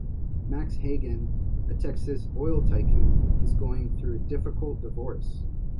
Max Hagan, a Texas oil tycoon, is going through a difficult divorce.